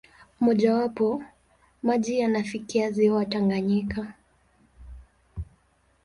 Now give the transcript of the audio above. Mmojawapo, maji yanafikia ziwa Tanganyika.